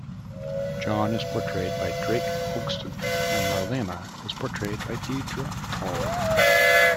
John is portrayed by Drake Hogestyn and Marlena is portrayed by Deidre Hall.